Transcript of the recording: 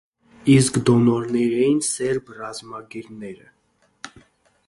Իսկ դոնորներն էին սերբ ռազմագերիները։